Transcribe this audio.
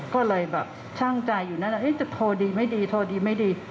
ก็เลยแบบช่างใจอยู่นั่นแหละจะโทรดีไม่ดีโทรดีไม่ดี